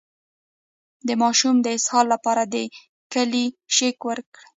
د ماشوم د اسهال لپاره د کیلي شیک ورکړئ